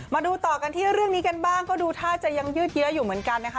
มาดูต่อกันที่เรื่องนี้กันบ้างก็ดูท่าจะยังยืดเยอะอยู่เหมือนกันนะคะ